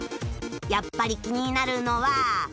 やっぱり気になるのは